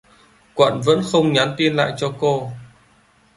Quận vẫn không nhắn tin lại cho cô